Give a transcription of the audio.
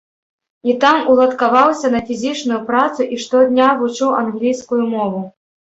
І там уладкаваўся на фізічную працу і штодня вучыў англійскую мову.